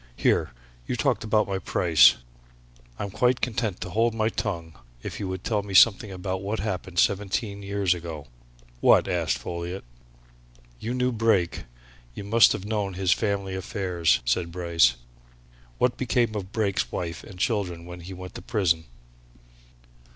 "Here! You talked about my price. I'm quite content to hold my tongue if you'd tell me something about what happened seventeen years ago." "What?" asked Folliot. "You knew Brake, you must have known his family affairs," said Bryce. "What became of Brake's wife and children when he went to prison?"